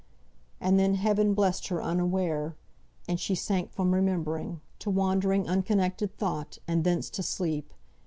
And then Heaven blessed her unaware, and she sank from remembering, to wandering, unconnected thought, and thence to sleep.